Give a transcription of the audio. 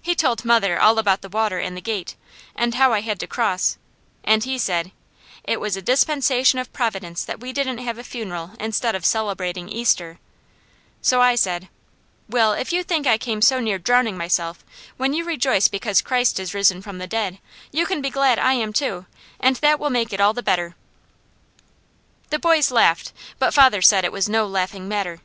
He told mother all about the water and the gate, and how I had to cross, and he said, 'it was a dispensation of Providence that we didn't have a funeral instead of celebrating Easter,' so I said: "Well, if you think I came so near drowning myself, when you rejoice because Christ is risen from the dead, you can be glad I am too, and that will make it all the better." The boys laughed, but father said it was no laughing matter.